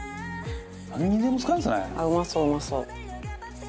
うまそううまそう。